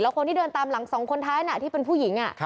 คนที่เดินตามหลังสองคนท้ายน่ะที่เป็นผู้หญิง